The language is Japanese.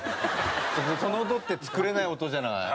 その音って作れない音じゃない？